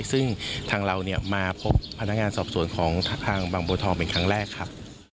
ซึ่งทางเรามาพบพนักงานสอบสวนของทางบางบัวทองเป็นครั้งแรกครับ